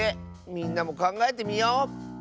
みんなもかんがえてみよう！